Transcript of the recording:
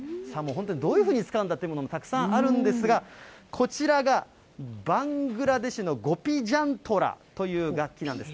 本当にどういうふうに使うんだっていうもの、たくさんあるんですが、こちらがバングラデシュのゴピジャントラという楽器なんです。